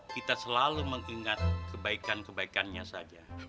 kita selalu mengingat kebaikan kebaikannya saja